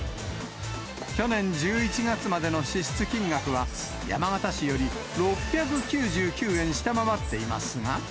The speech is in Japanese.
去年１１月までの支出金額は、山形市より６９９円下回っていますが。